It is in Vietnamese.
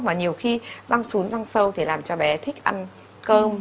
mà nhiều khi răng xuống răng sâu thì làm cho bé thích ăn cơm